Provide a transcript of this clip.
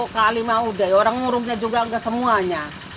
dua puluh kali mah udah orang nguruknya juga nggak semuanya